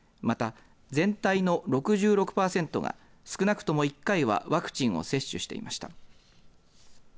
また、全体の６６パーセントが少なくとも１回はワクチンを接種していました。